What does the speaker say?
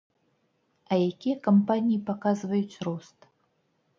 А якія кампаніі паказваюць рост?